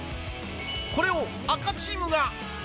これを赤チームが。